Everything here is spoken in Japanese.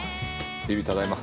ビビただいま。